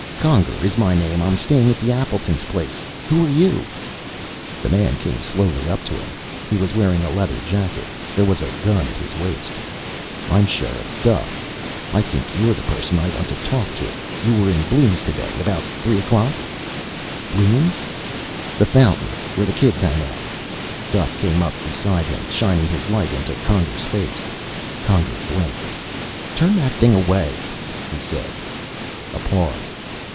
"Conger is my name. I'm staying at the Appleton's place. Who are you?" The man came slowly up to him. He was wearing a leather jacket. There was a gun at his waist. "I'm Sheriff Duff. I think you're the person I want to talk to. You were in Bloom's today, about three o'clock?" "Bloom's?" "The fountain. Where the kids hang out." Duff came up beside him, shining his light into Conger's face. Conger blinked. "Turn that thing away," he said. A pause.